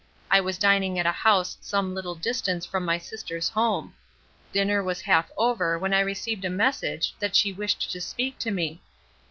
I was dining at a house some little distance from my sister's home. Dinner was half over when I received a message that she wished to speak to me.